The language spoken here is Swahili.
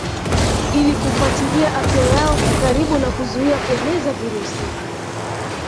Ili kufuatilia afya yao kwa karibu na kuzuia kueneza virusi